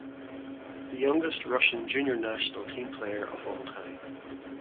The youngest Russian junior national team player of all time.